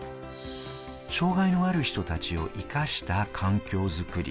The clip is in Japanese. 障害のある人たちを生かした環境づくり。